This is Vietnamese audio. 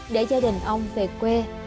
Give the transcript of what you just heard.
để gia đình ông về quê